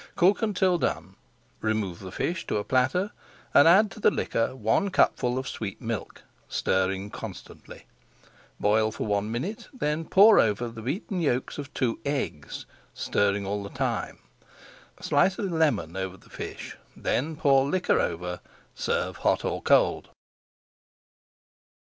Cook until done. Remove the fish to a platter, and add to the liquor one cupful of sweet milk, stirring constantly; boil for one minute, then pour over the beaten yolks of two eggs, stirring all the time. Slice a lemon over the fish, then pour the liquor over. Serve hot or cold.